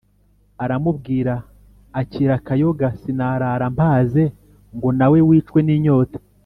aramubwiraa: "akira akayoga sinarara mpaze ngo na we wicwe n’ inyota.